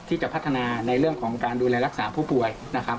ที่จะพัฒนาในเรื่องของการดูแลรักษาผู้ป่วยนะครับ